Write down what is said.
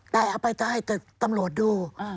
ได้เอาไปต้องให้ตำรวจดู